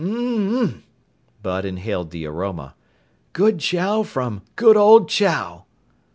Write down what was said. "Mmm!" Bud inhaled the aroma. "Good chow from good old Chow!"